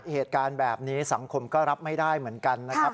เหตุการณ์แบบนี้สังคมก็รับไม่ได้เหมือนกันนะครับ